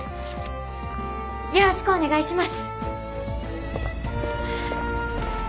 よろしくお願いします！